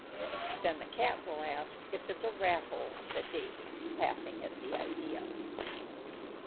'" "Then the Cat will ask if it's a rat hole," said Davy, laughing at the idea.